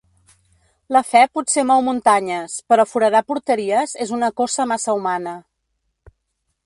La fe potser mou muntanyes, però foradar porteries és una cossa massa humana.